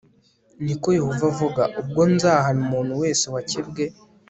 ni ko Yehova avuga ubwo nzahana umuntu wese wakebwe